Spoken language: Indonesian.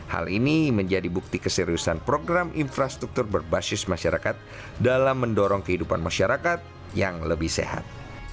hal ini menjadi bukti keseriusan program infrastruktur berbasis masyarakat